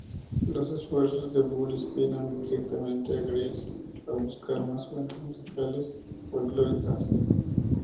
Los esfuerzos de Bull inspiran directamente a Grieg a buscar más fuentes musicales folclóricas.